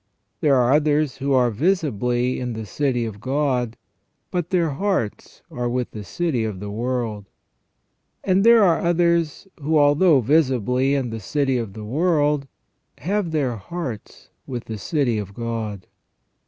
There are others who are visibly in the city of God, but their hearts are with the city of the world. And there are others who, although visibly in the city of the world, have their hearts with the city of God.